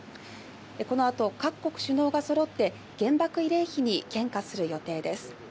このあと各国首脳がそろって原爆慰霊碑に献花する予定です。